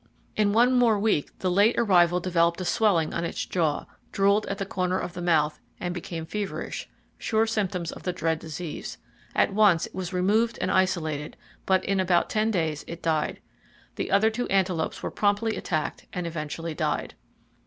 In one more week the late arrival developed a swelling on its jaw, drooled at the corner of the mouth, and became feverish,—sure symptoms of the dread disease. At once it was removed and isolated, but in about 10 days it died. The other two antelopes were promptly attacked, and eventually died.